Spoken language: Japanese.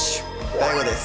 ＤＡＩＧＯです。